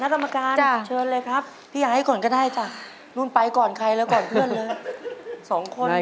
กรรมการเชิญเลยครับพี่ไอ้ก่อนก็ได้จ้ะนู่นไปก่อนใครแล้วก่อนเพื่อนเลยสองคน